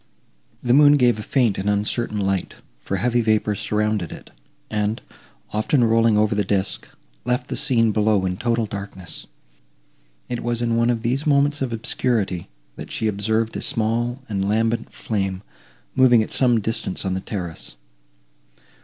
The moon gave a faint and uncertain light, for heavy vapours surrounded it, and, often rolling over the disk, left the scene below in total darkness. It was in one of these moments of obscurity, that she observed a small and lambent flame, moving at some distance on the terrace.